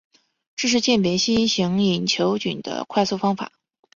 这是鉴别新型隐球菌的快速方法。